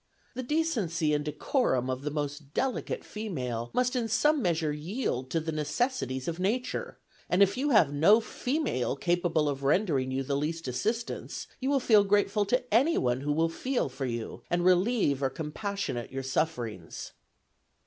The decency and decorum of the most delicate female must in some measure yield to the necessities of nature; and, if you have no female capable of rendering you the least assistance, you will feel grateful to any one who will feel for you, and relieve or compassionate your sufferings."